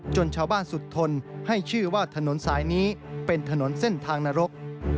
ชาวบ้านสุดทนให้ชื่อว่าถนนสายนี้เป็นถนนเส้นทางนรก